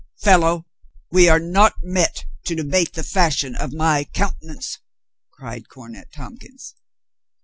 "Fellow, we are not met to debate the fashion of my countenance," cried Cornet Tompkins.